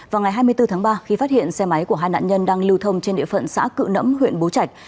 vào ngày hai mươi bốn tháng ba khi phát hiện xe máy của hai nạn nhân đang lưu thông trên địa phận xã cự nẫm huyện bố trạch